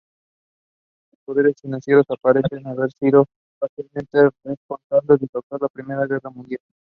Los poderes financieros parecen haber sido parcialmente responsables en causar la Primera Guerra Mundial.